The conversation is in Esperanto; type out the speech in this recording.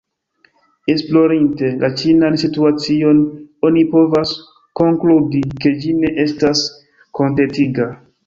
Esplorinte la ĉinan situacion, oni povas konkludi ke ĝi ne estas kontentiga.